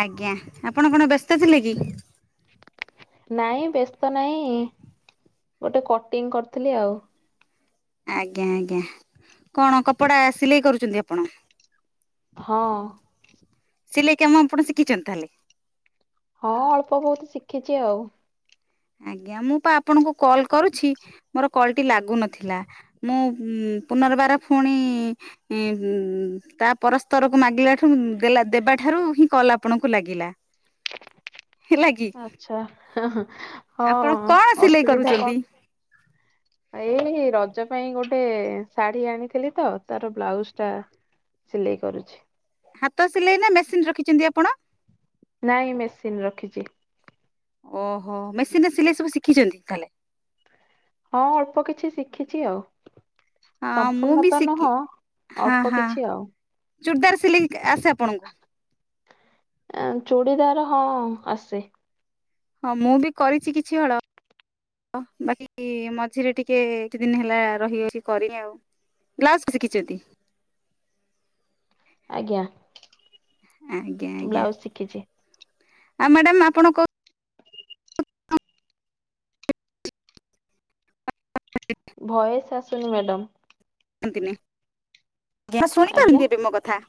ଆଜ୍ଞା ଆପଣ କଣ ବ୍ୟସ୍ତ? ସ୍ତ ଥିଲେ କି? ନାଇଁ ବ୍ୟସ୍ତ ନାଇଁ ଗୋଟେ କଟିଂ କରୁଥିଲି ଆଉ ଆଜ୍ଞା ଆଜ୍ଞା କଣ କପଡା ସିଲେଇ କରୁଛନ୍ତି ଆପଣ? ହଁ ସିଲେଇ କାମ ଆପଣ ଶିଖିଛନ୍ତି ତାହାଲେ? ହଁ ଅଳ୍ପ ବହୁତ ଶିଖିଛି ଆଉ। ଆଜ୍ଞା ମୁଁ ତ ଆପଣଙ୍କୁ କଲ କରୁଛି ମୋର କଲ ଟି ଲାଗୁନଥିଲା ମୁଁ ପୁନର୍ବାର ପୁଣି ତା ପରସ୍ପରକୁ ମାଗିଲଠାରୁ ଦେବାଠାରୁ ହିଁ କଲ ଆପଣଙ୍କୁ ଲାଗିଲା। ହେଲା କି ଆଛା। ଆପଣ ହଁ କଣ ସିଲେଇ ଅସୁବିଧା କରୁଛନ୍ତି? କଣ ଏଇ ରଜ ପାଇଁ ଗୋଟେ। ସେ ଶାଢୀ ଆଣିଥିଲି ତ ତାର ବ୍ଲାଉଜଟା ସିଲେଇ କରୁଛି। ହାତ ସିଲେଇ ନା ମେସିନ ରଖିଛନ୍ତି ଆପଣ? ନାଇଁ ମେସିନ ରଖିଚି। ଓହୋ ମେସିନରେ ସିଲେଇ ସବୁ ଶିଖିଚନ୍ତି ତାହେଲେ। ହଁ ଅଳ୍ପ କିଛି ଶିଖିଚି ଆଉ। ହଁ ମୁଁ ସମ୍ପୂର୍ଣ୍ଣ ବି ତ ଶିଖି ନୁହଁ ଅଳ୍ପ କିଛି ଆଉ। ଚୁର୍ଦାର ସିଲେଇ ଆସେ ଆପଣଙ୍କୁ? ଅଁ ଚୁଡ଼ିଦାର ହଁ ଆସେ। ହଁ ମୁଁ ବି କରିଚି କିଛି ହଳ ବାକି ମଝିରେ ଟିକେ ଏଠି ଦିନି ହେଲା ରହିଗଲି କରି ଆଉ। [unintelligible] ଶିଖିଚନ୍ତି? ଆଜ୍ଞା। ଆଜ୍ଞା ଆଜ୍ଞା ବ୍ଲାଉଜ ଶିଖିଚି। ଆଉ ମାଡାମ ଆପଣ କ ଭୟେସ ଆସୁନି ମ୍ୟାଡ଼ମ। ଏନ୍ତିନି ଆଜ୍ଞା ଶୁଣିପାରନ୍ତି ଏବେ ମୋ କଥା?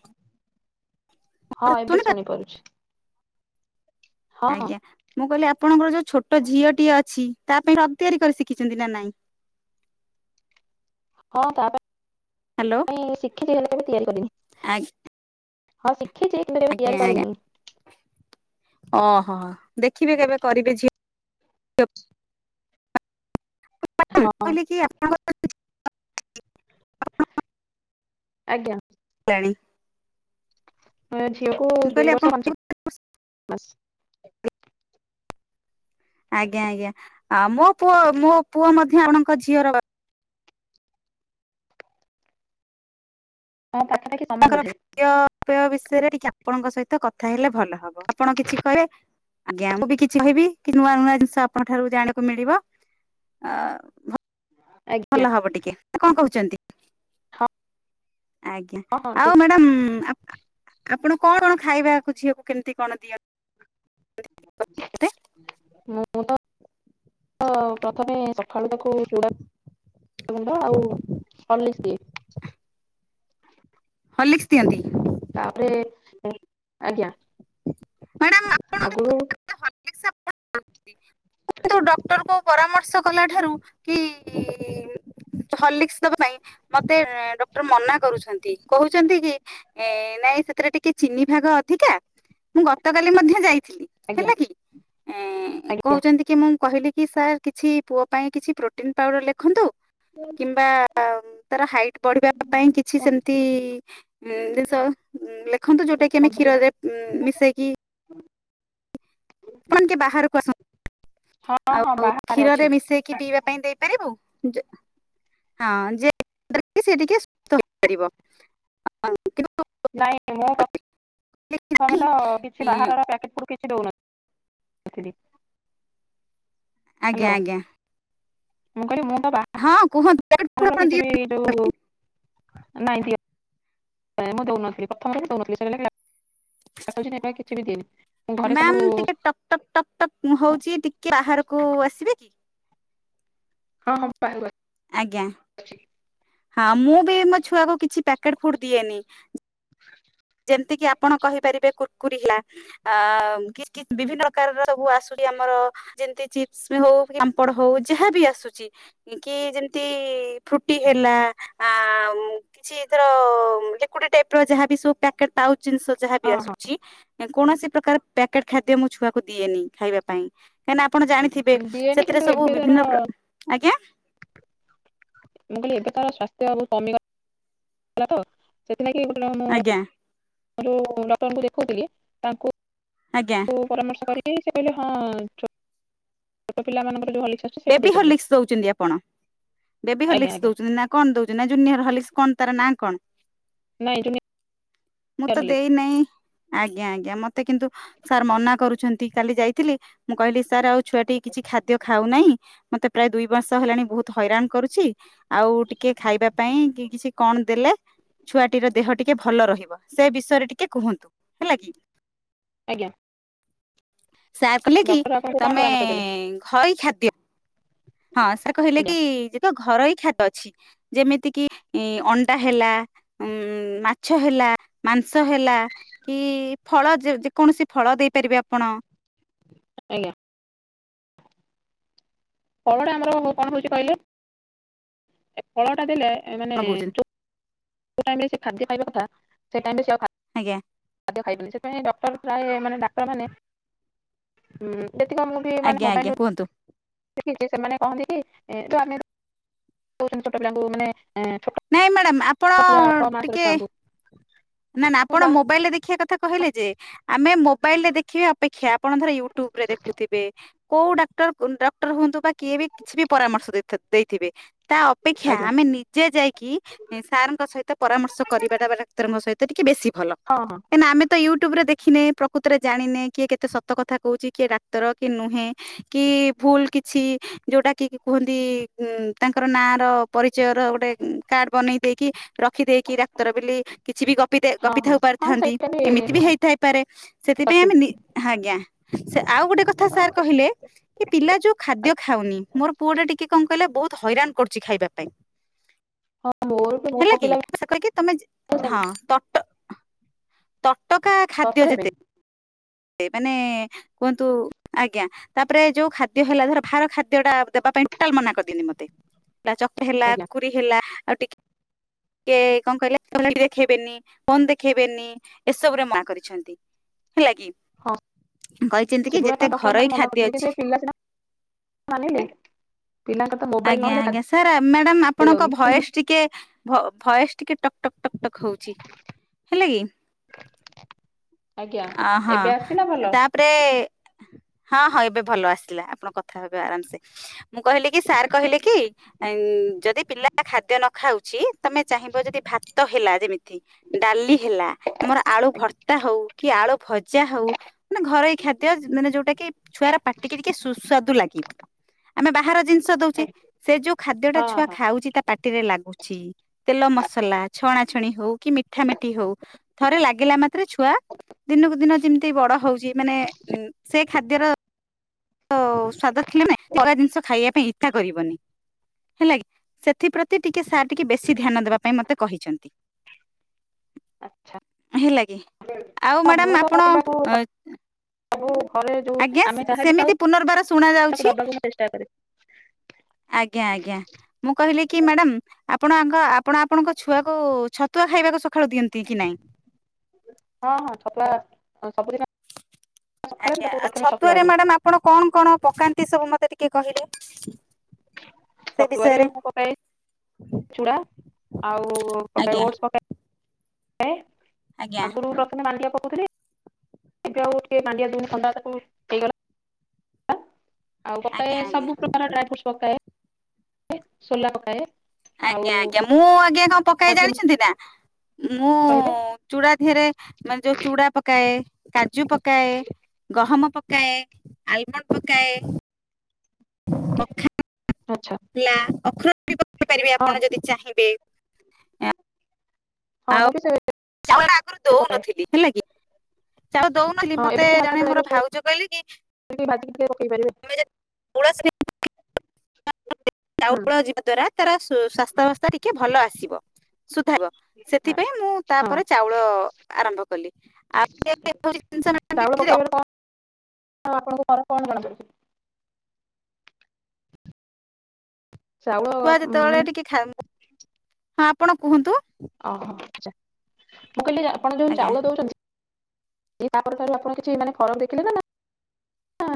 ହଁ ଏବେ ଶୁଣିପାର ଶୁଣିପାରୁଛି। ହଁ ହଁ। ଆଜ୍ଞା ମୁଁ କହିଲି ଆ ଆପଣଙ୍କର ଯୋଉ ଛୋଟ ଝିଅଟିଏ ଅଛି ତା ପାଇଁ ଫ୍ରକ ତିଆରି କରି ଶିଖିଚନ୍ତି ନାଁ ନାଇଁ? ହଁ ତାପା ହ୍ୟାଲୋ ପାଇଁ ଶିଖିଚି ହେଲେ କେବେ ତିଆରି କରିନି। ହଁ ଶି ଖିଚି କିନ୍ତୁ କେବେ ତିଆରି କରିନି। ଅହ ଦେଖିବେ କେବେ କରିବେ ଝିଅ ଅ [inaudible] ମୁଁ କହିଲି କି ଆପଣଙ୍କ [inaudible] ଆଜ୍ଞା। ଆଣି ଅଁ ଝିଅକୁ ଦୁଇ ଆପଣ ବର୍ଷ ପାଞ୍ଚ ମାସ। ଆଜ୍ଞା ଆଜ୍ଞା ଆ ମୋ ପୁଅ ମୋ ପୁଅ ମଧ୍ୟ ଆପଣଙ୍କ ଝିଅର ବା ହଁ ପାଖାପାଖି ସମାନ ବୋଧେ। ପେୟ ବିଷୟରେ ଟିକେ ଆପଣଙ୍କ ସହିତ କଥା ହେଲେ ଭଲ ହବ। ଆପଣ କିଛି କହିବେ ଆଜ୍ଞା ମୁଁ ବି କିଛି କହିବି କି ନୂଆ ନୂଆ ଜିନିଷ ଆପଣଙ୍କ ଠାରୁ ଜାଣିବାକୁ ମିଳିବ। ଭଲ ଆଜ୍ଞା ହବ ଟିକେ। ନାଁ କଣ କହୁଚନ୍ତି? ହଁ ଆଜ୍ଞା ହଁ ହଁ ଆଉ ଠିକ୍ ମ୍ୟାଡମ ଆ ଆପଣ କଣ କଣ ଖାଇବାକୁ ଝିଅକୁ କେମତି କଣ ଦିଅ ମୁଁ ତ ତ ପ୍ରଥମେ ସଖାଳୁ ତାକୁ ଚୁଡ଼ା ଗୁଣ୍ଡ ଆଉ ହଲିସ ଦିଏ। ହଁ ଲଖସ ଦିଅନ୍ତି। ତାପରେ ଆଜ୍ଞା। ମ୍ୟାଡ଼ାମ ହୁଁ ଡକ୍ଟର କ ପରାମର୍ଶ କଲା ଠାରୁ କି ଦବା ପାଇଁ ମତେ ଡକ୍ଟର ମନା କରୁଛନ୍ତି କହୁଛନ୍ତି କି ନାଇଁ ସେଥିରେ ଟିକେ ଚିନି ଭାଗ ଅଧିକା ମୁଁ ଗତକାଲି ମଧ୍ୟ ଯାଇ ଆଜ୍ଞା ଆଜ୍ଞା। କହୁଛନ୍ତି ମୁଁ କହିଲି କି ସାର୍ କିଛି ପୁଅ ପାଇଁ କିଛି ପ୍ରୋଟିନ ପାଉଡର ଲେଖନ୍ତୁ। କିମ୍ବା ଅ ତର ହାଇଟ୍ ପଢିବା ପାଇଁ କିଛି ସେମିତି ଜିନିଷ ଲେଖନ୍ତୁ ଯୋଉଟା କି ଆମେ କ୍ଷୀରରେ ମିଶେଇକି ଆପଣ କି ବାହାରକୁ ଆସ ହଁ ହଁ ଆଉ ବାହାରେ ଅଛି। କ୍ଷୀରରେ ମିଶେଇକି ପିଇବା ପାଇଁ ଦେଇପାରିବୁ। ହଁ ଯେ ସେ ଟିକେ ସୁସ୍ ହେପାରିବ। ନାଇଁ ମୁଁ ତମେ ତ କିଛି ବାହାରର ପକେ ସେଟ ଆଜ୍ଞା ଆଜ୍ଞା। ମୁଁ କହିବି ମୁଁ ହଁ କୁହନ୍ତୁ। ଆର ଆପଣ ଦିଅ କିଛି ବି ଏଇ ଯୋଉ ନାଇଁ ଦ ମୁଁ ଦଉନଥିଲି ପ୍ରଥମରେ ବି ଦଉନଥିଲି ସେ କିଛି ବି ଦନି ମ୍ୟାାମ ଟିକେ ଟକ୍ ଟକ୍ ଟକ୍ ଟ ହଉଛି ଟିକେ ବାହାରକୁ ଆସିବେ କି ହଁ ହଁ। ପାଉ ଆଜ୍ଞା ହଁ ମୁଁ ବି ମୋ ଛୁଆକୁ କିଛି ପ୍ୟାକେଟ ଫୁଡ ଦିଏନି ଯେମତି କି ଆପଣ କହିପାରିବେ କୁୁରକୁୁରୀ ହେଲା ବିଭିନ୍ନ ପ୍ରକାରର ସବୁ ଆସୁଛି ଆମର ଯେମତି ଚିପ୍ସ ହଉ ପାମ୍ପଡ ହଉ ଯାହାବ ଆସୁଛି କି ଯେମିତି ଫ୍ରୁଟି ହେଲା ଆ କିଛି ଧର ଲିଡ ଟାଇପ ର ଯାହାବ ସବୁ ତା ଜିନିଷ ଯାହା ବି ହଁ ହଁ ଆସୁଛି। କୌଣସି ପ୍ରକାର ପ୍ୟାକେଟ ଖାଦ୍ୟ ମୁଁ ଛୁଆକୁ ଦିଏନି ଖାଇବା ପାଇଁ କାଁକିନା ଆପଣ ଜାଣିଥିବେ ଦିଏନି ସେଥିରେ କିନ୍ତୁ ସବୁ ଏବେ ତାର ବିଭିନ୍ନ ମୁଁ ପ୍ର ଆଜ୍ଞା। ମୁଁ କହିଲି ଏବେ ତାର ସ୍ୱାସ୍ଥ୍ୟ ବହୁ କମିଗଲା ତ। [unintelligible] ଆଜ୍ଞା ଯୋଉ ଡକ୍ଟରଙ୍କୁ ଦେଖଉଥିଲି ତାଙ୍କୁ ଆଜ୍ଞା ଓ ପରାମର୍ଶ କରି [unintelligible] ହଁ ଛୋଟ ପିଲାମାନଙ୍କର ଯ ଭଳି ବେବି ହର୍ଲିକସ ଦଉଛନ୍ତି ଆପଣ। ବେବି ଆଜ୍ଞା ହଲିକ୍ସ ଆଜ୍ଞା ଦଉଛନ୍ତି ନା କଣ ଦଉଛନ୍ତି ଜୁନିୟର ହଲିକସ କ ତାର ନା କଣ? ନାଇଁ ଯୋଉ ମୁଁ ତ ନିଆର ହଲିକ୍ସ ଦେଇନହିଁ ଆଜ୍ଞା ଆଜ୍ଞା ମତେ କିନ୍ତୁ ସାର୍ ମନା କରୁଛନ୍ତି। କାଲି ଯାଇଥିଲି ମୁଁ କହିଲି ସାର୍ ଆଉ ଛୁଆଟି କିଛି ଖାଦ୍ୟ ଖାଉନାହିଁ। ମତେ ପ୍ରାୟ ଦୁଇ ମାସ ହେଲାଣି ବହୁତ ହଇରାଣ କରୁଛି ଆଉ ଟିକେ ଖାଇବା ପାଇଁ କି କିଛି କଣ ଦେଲେ ଛୁଆଟିର ଦେହ ଟିକେ ଭଲ ରହିବ ସେ ବିଷୟରେ ଟିକେ କୁହନ୍ତୁ। ହେଲା କି? ଆଜ୍ଞା। ସାର୍ କଲେ କି ଡକ୍ଟର ଆପଣଙ୍କୁ କଣ ତମେ ପରାମର୍ଶ ଦେଲେ ଘଇ ଖାଦ୍ୟ। ହଁ ସାର୍ କହିଲେ ଆଜ୍ଞା କି ଯେତ ଘରୋଇ ଖାଦ୍ୟ ଅଛି ଯେମିତି କିି ଅଣ୍ଡା ହେଲା ଉ ମାଛ ହେଲା ମାଂସ ହେଲା କି ଫଳ ଯେକୌଣସି ଫଳ ଦେଇପାରିବେ ଆପଣ। ଆଜ୍ଞା। ଫଳଟା ଆମର କଣ ହଉଛି କହିଲେ ଏ ଫଳ ଟା ଦେଲେ ଏ କଣ କହୁଛନ୍ତି ମାନେ ସେ ଖାଦ୍ୟ ଖାଇବା କଥା ସେ ଟାଇମରେ ଆଜ୍ଞା ଖାଦ୍ୟ ଖାଇବନି ସେଥିପାଇଁ ପ୍ରାୟ ମାନେ ଡାକ୍ତର ମାନେ ଯେତିକ ମୁଁ ବି ମାନେ ଆଜ୍ଞା ଆଜ୍ଞା ମୋବାଇଲ। କୁହନ୍ତୁ ଦେଖିଛି ସେମାନେ କହନ୍ତି କି ଏ ଯୋଉ ଆମେ ଛୋଟ ପିଲାଙ୍କୁ ମାନେ ଛୋଟ ନାଇଁ ମ୍ୟାଡ଼ମ୍। ଆପଣ ପୁରା ଛଅ ମାସର ଟିକେ। ଛୁଆଙ୍କୁ ନା ନା ମୁଁ ଆପଣ ବା ମୋବାଇଲରେ ଦେଖିବା କଥା କହିଲେ ଯେ ଆମେ ମୋବାଇଲ ରେ ଦେଖିବେ ଅପେକ୍ଷା ଆ ଆପଣ ଧର ୟୁଟ୍ୟୁବରେ ଦେଖୁଥିବେ। କୋଉ ଡାକ୍ଟର ଡକ୍ଟର ହୁଅନ୍ତୁ ବା କିଏ ବି କିଛି ବି ପରାମର୍ଶ ଦେଇଥିବେ। ତା ଅପେକ୍ଷା ଆଜ୍ଞା ଆମେ ନିଜେ ଯାଇକି ସାରଙ୍କ ସହିତ ପରାମର୍ଶ କରିବାଟା ଡାକ୍ତରଙ୍କ ସହିତ। ତ ଟିକେ ବେଶି। ଭଲ ହଁ ହଁ [unintelligible] ଆମେ ତ ୟୁ ଟ୍ୟୁବ୍ ରେ ଦେଖିନେ। ପ୍ରକୃତରେ ଜାଣିନେ, କିଏ କେତେ ସତ କଥା କହୁଛି। କିଏ ଡାକ୍ତର କି ନୁହେଁ, କି ଭୁଲ କିଛି ଯୋଉଟା କି କୁହନ୍ତି। ଉ ତାଙ୍କର ନାଁ ର ପରିଚୟ ର ଗୋଟେ କାର୍ଡ ବନେଇ ଦେଇକି, ରଖିଦେଇକି ଡାକ୍ତର ବୋଲି କି ପ [unintelligible] ହଁ କପି ହଁ ଥାଉ ହଁ ପାରିଥାନ୍ତି ସେଇଟା ଏମିତି ବି ହେଇଥାଇପାରେ ସେଥିପାଇଁ ଆମେ ସଠିକ ନି ଆଜ୍ଞା ସେ ଆଉ ଗୋଟେ କଥା, ସାର୍ କହିଲେ କି ପିଲା ଯୋଉ ଖାଦ୍ୟ ଆଜ୍ଞା ଖାଉନି। ମୋର ପୁଅ ଟା ଟିକେ କଣ କହିଲା, ବହୁତ ହଇରାଣ କରୁଛି ଖାଇବା ପାଇଁ ହଁ ମୋର ବି ହେଲା ମୋ କି ପିଲା ସେ [unintelligible] କି ତମେ ବି ହଁ ସେମିତି ତ ତ ଟକା ଖାଦ୍ୟ ତରତର ଯେତେ ହେବେନି ମାନେ କୁହନ୍ତୁ ଆଜ୍ଞା, ତାପରେ ଯୋଉ ଖାଦ୍ୟ ହେଲା। ଧର ବାହାର ଖାଦ୍ୟ ଟା ଦେବା ପାଇଁ, ଟୋଟାଲ ମନା କରିଦିଅନ୍ତି ମତେ। ଚକ [unintelligible] ହେଲା ଆଜ୍ଞା କୁର୍କୁରି ହେଲା ଆଉ ଟିକେେ କଣ କହିଲେ, [unintelligible] ଦେଖେଇବେନି, ଫୋନ୍ ଦେଖେଇବେନି। ଏସବୁରେ ମା କରିଛନ୍ତି, ହେଲା କି ହଁ କହିଛନ୍ତି କି, ଯେତେ ସେଗୁଡାକ ଡକ୍ଟର ଘରୋଇ ମାନେ ମନା ଖାଦ୍ୟ କରୁଛନ୍ତି ଅଛି। କିନ୍ତୁ ଏ ପିଲା ସିନା ମାନିଲେ ପିଲାଙ୍କର ତ ମୋବାଇଲ ଆଞା, ନହେଲେ ଆଞା, ଖାଦ୍ୟ ସାର୍ ମାଡାମ୍ ଆପଣଙ୍କ ଯାଉନି ଭଏସ୍ ଟିକେ, ଭଏସ୍ ଟିକେ ଟକ୍ ଟକ୍ ହଉଛି ହେଲେ କି ଆଜ୍ଞା ଅ ହଁ ଏବେ ଆସିଲା ଭଲ ତାପରେ ହଁ, ହଁ। ଏବେ ଭଲ ଆସିଲା। ଆପଣ କଥା ହେବେ ଆରାମସେ। ମୁଁ କହିଲି କି, ସାର୍ କହିଲେ କି, ଯଦି ପିଲା ଖାଦ୍ୟ ନ ଖାଉଛି ତମେ ଚାହିଁବ ଯଦି, ଭାତ ହେଲା ଯେମିତି ଡାଲି ହେଲା, ଆମର ଆଳୁ ଆଜ୍ଞା ଭର୍ତ୍ତା ହଉ କି ଆଳୁ ଭଜା ହଉ ମାନେ, ଘରୋଇ ଖାଦ୍ୟ, ମାନେ ଯୋଉଟା କି ଛୁଆର ପାଟିକି ଟିକେ ସୁସ୍ବାାଦୁ ଲାଗିବ। ଆମେ ବାହାର ଜିନିଷ [unintelligible] ଆଜ୍ଞା ସେ ଯୋଉ ଖାଦ୍ୟ ଟା ହଁ ଛୁଆ ହଁ ଖାଉଛି, ତା ପା ପାଟିରେ ଲାଗୁଛି। ତେଲ ମସଲା, ଛଣା ଛଣି ହଉ କି, ମିଠା ମିଠି ହଉ। ଥରେ ଲାଗିଲା ମାତ୍ରେ, ଛୁଆ ଦିନକୁ ଦିନ ଯେମିତି ଏ ବଡ ହଉଛି, ମାନେ ସେ ଖାଦ୍ୟର ତ ସ୍ଵାଦ [unintelligible] ମ କଗା [unintelligible] ଜିନିଷ ଖାଇବା ପାଇଁ ଇଛା କରିବନି, ହେଲା କିି, ସେଥିପ୍ରତି ଟିକେ ସାର୍ ଟିକେ ବେଶୀ ଧ୍ୟାନ ଦେବା ପାଇଁ ମତେ କହିଛନ୍ତି। ଆଚ୍ଛା ହେଲା କିି ଆଉ ମ୍ୟାଡ଼ାାମ ଆପଣ ଆଉ ଆଜ୍ଞା, ସେ ସେମିତି ପୁନର୍ବାର ଶୁଣ ତାକୁ ଯାଉଛି। ଦବାକୁ ମୁଁ ଚେଷ୍ଟା କରେ ଆଜ୍ଞା, ଆଜ୍ଞା। ମୁଁ କହିଲି କି, ମାଡାମ୍ ଆପଣ, ଆଗ ଆପଣ, ଆପଣଙ୍କ ଛୁଆକୁ ଛ ତୁଆ ଖାଇବାକୁ [unintelligible] ଖେଳ ଦିଅନ୍ତି କି ନାଇଁ ହବ [unintelligible] ଆଜ୍ଞା। ଆଉ ଛତୁଆରେ, ଦିଏ ମ୍ୟାଡାାମ ଆପଣ କଣ କଣ ପକାନ୍ତି? ସବୁ ମତେ ଟି କେ କହିଲେ ସେ ଛତୁଆରେ ବିଷୟରେ? ମୁ ପକାଏ ଚୁଡା, ଆଉ ପକାଏ ଆଜ୍ଞା ଓଟ୍ସ୍, ପକାଏ। କ [unintelligible] ଆଜ୍ଞା ଆଗରୁ ରଖେ ମା କ ଏବେ ଆଉ ଟିକେ ମାଣ୍ଡିଆ ଦନ ଥଣ୍ଡା ତାକୁ ହେଗ ଆଉ ପକଏ ଆଜ୍ଞା ଆଜ୍ଞା ସବୁ ପ୍ରକାର ଡ୍ରାଇ ଫ୍ରୁଟ ପକାଏ। ଶୋଲା ପକାଏ ଆଉ ଆଜ୍ଞା ଆଜ୍ଞା ମୁଁ ଆଜ୍ଞା କଣ ପକାଏ ମଝିରେ ଜାଣିଛନ୍ତି ନା ମୁଁ କହିଲେ ଚୁଡ଼ା ିରେ ମାନେ ଯୋଉ ଚୁଡ଼ା ପକାଏ। କା ଯୋ ପକାଏ ଗହମ ପକାଏ ଆଲମଣ୍ଡ ପକାଏ। ପଖା ଆଚ୍ଛା ହେଲା ଅଖ [unintelligible] ପାରିବେ ହଁ ଆପଣ ଯଦି ଚାହିଁବେ। ଏଆ ହଁ ଆଉ ମୁଁ ବି ସେ [unintelligible] ଆଗରୁ ପକାଏ ଦଉନଥିଲି ହେଲା କି। ଚାଉ ଦଉନି ହଁ ଏବେ ମତେ ଟିକେ ହାଲକା ଜଣେ ଡ୍ରାଇ ମୋର ଫ୍ରୁଟସ ଭାଉଜ କହିଲେ କି ଭାଜିକି ଟିକେ ପକେଇ ପାରିବେ [unintelligible] ତୁଳସୀ [unintelligible] ହୁଁ [unintelligible] ଯିବା ଦ୍ଵାରା ତାର ସୁ-ସ୍ଵାସ୍ଥ୍ୟ ଅବସ୍ଥା ଟିକେ ଭଲ ଆସିବ। ସୁଧାଇବ ସେଥିପାଇଁ ମୁଁ ହଁ ତାପରେ ଚାଉଳ ଆରମ୍ଭ କଲି ଆଉ [unintelligible] ଆଉ ଆପଣଙ୍କୁ ଫରକ କଣ ଜଣାପଡ଼ୁଚି। ଚାଉଳ ଛୁଆ ଯେତେବେଳେ ମାନେ ଟିକେ ଖାଆ [unintelligible] ହଁ ଆପଣ କୁହନ୍ତୁ? ଓହୋ ଆଚ୍ଛା ମୁଁ କହିଲି ଆପଣ ଯେଉ ଆଜ୍ଞା ଚାଉଳ ଦେଉଛନ୍ତି ତାପରେ ତା ଆପଣ କିଛି ଫରକ୍ ଦେଖିଲେ ନା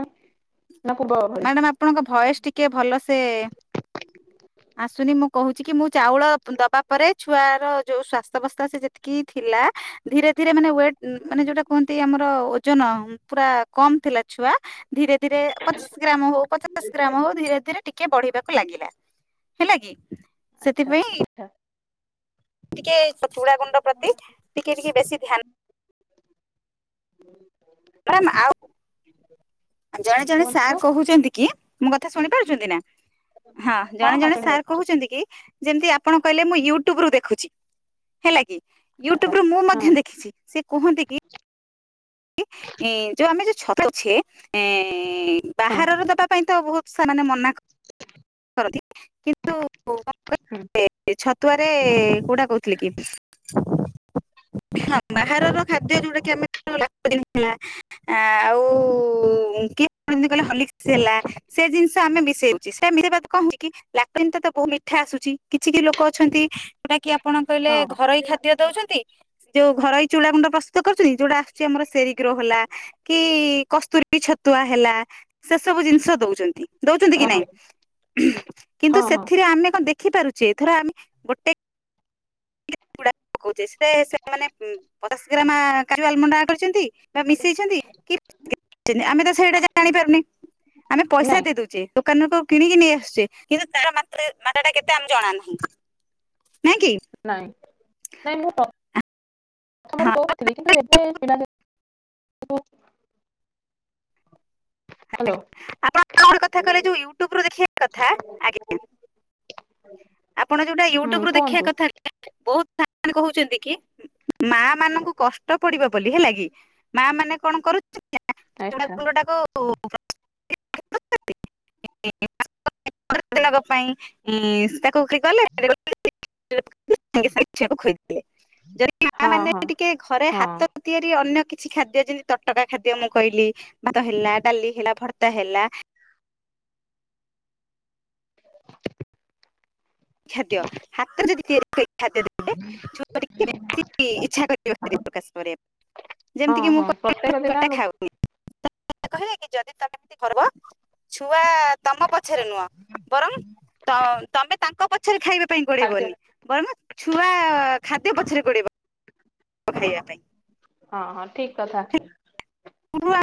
ନା ପୂର୍ବ ଭଳି? ମ୍ୟାଡାମ ଆପଣଙ୍କ ଭଏସ ଟିକେ ଭଲ ସେ ଆସୁନି ମୁଁ କହୁଛି କି ମୁଁ ଚାଉଳ ଦବା ପରେ ଛୁଆ ଯୋଉ ସ୍ଵାସ୍ଥ୍ୟବସ୍ଥା ସେ ଯେତିକି ଥିଲା ଧୀରେ ଧୀରେ ମାନେ ୱେଟ ମାନେ ଯୋଉଟା କୁହନ୍ତି ଆମର ଓଜନ ପୁରା କମ ଥିଲା ଛୁଆ ଧୀରେ ଧୀରେ- ପଚିଶ ଗ୍ରାମ ହଉ ପଚାଶ ଗ୍ରାମ ହଉ ଧୀରେ ଧୀରେ ଟିକେ ବଢିବାକୁ ଲାଗିଲା ହେଲା କି ଆଚ୍ଛା ସେଥିପାଇଁ ଆଛା ଟିକେ ଚୁଡା ଗୁଣ୍ଡ ପ୍ରତି ଟିକେ ଟିକେ ବେଶୀ ଧ୍ୟାନ ହୁ ମ୍ୟାଡ଼ାମ ଆଉ ଜଣେ ଜଣେ କୁହନ୍ତୁ ସାର୍ କହୁଛନ୍ତି କି। ମୋ କଥା ଶୁଣି ପାରୁଛନ୍ତି ନା? ହଁ ଜଣେ ହଁ ଜଣେ ସାର୍ ଶୁଣିପାରୁଛି କହୁଛନ୍ତି କି ଯେମତି ଆପଣ କହିଲେ ମୁଁ ୟୁଟ୍ୟୁବ ରୁ ଦେଖୁଛି ହେଲା କି। ଆଚ୍ଛା ୟୁଟ୍ୟୁବରେ ମୁଁ ହଁ ମଧ୍ୟ ଦେଖିଛି ସେ କୁହନ୍ତି କି। ଯୋଉ ଆମେ ଯ [unintelligible] ହଁ ବାହାରର ଦେବା ପାଇଁ ତ ବହୁତ ସେମାନେ ମନା କରନ୍ତି। ହୁଁ। ତୋରେ। କଉଟା କହୁଥିଲେ କି? ବାହାରର ଖାଦ୍ୟ ଯୋଉଟା କି ଆମେ ଆଉ କିଏ କହିଲା ହ୍ରଲିକ୍ସ ହେଲା ସେ ଜିନିଷ ଆମେ ମିଶେଉଛୁ ମିଶେଇବା କଁ ହଉଚି କି ଲାକ୍ଟୋଜେନ ତ ତ ବହୁ ମିଠା ଆସୁଛି କିଛି କି ଲୋକ ଅଛନ୍ତି। ଯଉଟା କି ଆପଣ କହିଲେ ହଁ ହଁ ଘରୋଇ ଖାଦ୍ୟ ଦଉଛନ୍ତି। ଯୋଉ ଘରୋଇ ଚୁଡ଼ାଗୁଣ୍ଡ ପ୍ରସ୍ତୁତ କରୁଛନ୍ତି। [unintelligible] [unintelligible] କି। କସ୍ତୁରୀ ଛତୁଆ ହେଲା ସେ ସବୁ ଜିନିଷ ଦଉଛନ୍ତି। ଦଉଛନ୍ତି କି ନାଇଁ କିନ୍ତୁ ହଁ ହଁ ହଁ ସେଥିରେ ଆମେ କଣ ଦେଖିପାରୁଛୁ। ସେଥର ଆମେ ଗୋଟେ [unintelligible] ପକଉଛେ ସେ ସେ ମ ପଚାଶ ଗ୍ରାମ [unintelligible] କରିଛନ୍ତି। ବା ମିଶେଇଛନ୍ତି କି ଆମେ ତ ସେଇଟା ଜାଣିପାରୁନି ଆମେ ପଇସା ନାଇଁ ଦେଇ ଦଉଛେ। ଦୋକାନରୁ ତ କିଣିକି ନେଇ ଆସୁେଚେ କିନ୍ତୁ। ମାଟ ଟା କେତେ ଆମ ଜଣାନାହିଁ। ନାଇଁ। ନାଇଁ ମୁଁ ମର ହଁ କହୁନଥିଲି କିନ୍ତୁ ଏବେ କିଣା ହ ଆପଣ କଥା କହିଲେ ଯୋଉ ୟୁଟ୍ୟୁବ ଦେଖିବା କଥା ଆଜ୍ଞା। ଆପଣ ଯୋଉଟା ହୁଁ ୟୁଟ୍ୟୁବରୁ ଦେଖିବା କୁହନ୍ତୁ କଥା ବହୁ [inaudible] କହୁଛନ୍ତି କି ମା ମାନଙ୍କୁ କଷ୍ଟ ପଡିବ ବୋଲି ହେଲା କି ମା ମାନେ କଣ କରୁ [unintelligible] [unintelligible] [unintelligible] ଆଚ୍ଛା ପାଇଁ। [unintelligible] କୋଉ [unintelligible] ହୁଁ [unintelligible] ସାଙ୍ଗେ ସାଙ୍ଗେ ଛୁଆକୁ ଖୋଇଦେଲେ ଯଦି ମା ହଁ ମାନେ ହଁ ଟିକେ ଘରେ ହଁ ହାତ ତିଆରି ଅନ୍ୟ କିଛି ଖାଦ୍ୟ ଯେମିତି ତଟକା ଖାଦ୍ୟ ମୁଁ କରିଲି ଭାତ ହେଲା, ଡାଲି ହେଲା, ଭର୍ତ୍ତା ହେଲା ଖାଦ୍ୟ ହାତରେ ଯଦି କିଏ ଖାଦ୍ୟ ଦେବେ ଛୁଆ ଟିକେ [inaudible] ଇଛା [inaudible] ପ୍ରକାଶ କରେ, ହଁ ଯେମିତି କି ମୁଁ ହଁ ପ୍ରତ୍ୟେକ ଦିନ [inaudible] ନୁ- ଖାଉନି। କହିବା କି ଯଦି ତମେ କରବ ଛୁଆ ତମ ପଛରେ ନୁହଁ ବରଂ ତ ତମେ ତାଙ୍କ ପଛରେ ଖାଇବା ପାଇଁ ଖାଦ୍ୟ ଗୋଡେଇବନି ବରଂ ଛୁଆ ଖାଦ୍ୟ ପଛରେ ଗୋଡେଇବ। [unintelligible] ଖାଇବା ପାଇଁ। ହଁ ହଁ ଠିକ କଥା। ପୁ